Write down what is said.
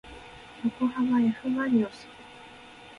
よこはまえふまりのす